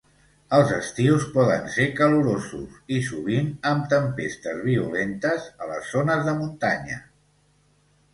Els estius poden ser calorosos i sovint amb tempestes violentes a les zones de muntanya.